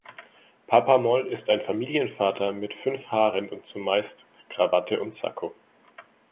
Papa Moll ist ein Familienvater mit fünf Haaren und zumeist Krawatte und Sakko.